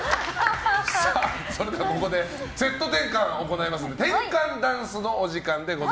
それでは、ここでセット転換を行いますので転換ダンスのお時間です。